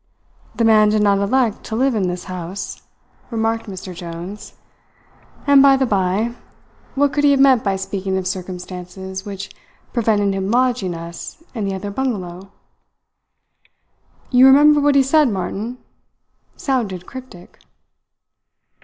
"The man did not elect to live in this house," remarked Mr. Jones. "And by the by, what could he have meant by speaking of circumstances which prevented him lodging us in the other bungalow? You remember what he said, Martin? Sounded cryptic."